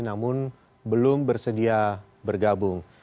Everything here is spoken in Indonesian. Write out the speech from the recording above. namun belum bersedia bergabung